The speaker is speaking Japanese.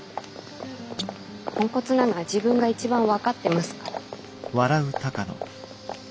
ポンコツなのは自分が一番分かってますから。